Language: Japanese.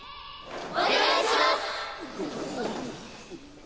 お願いします！